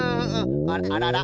あららら？